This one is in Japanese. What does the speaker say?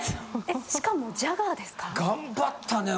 しかもジャガーですからね。